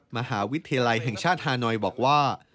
มหาวิทยาลัยแห่งชาติฮานอยบอกว่า